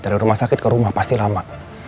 dari rumah sakit ke rumah pasti lama